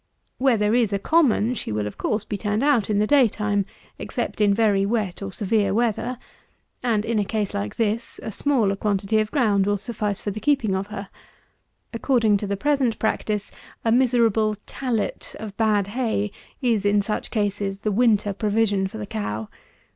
Where there is a common, she will, of course, be turned out in the day time, except in very wet or severe weather; and in a case like this, a smaller quantity of ground will suffice for the keeping of her. According to the present practice, a miserable "tallet" of bad hay is, in such cases, the winter provision for the cow.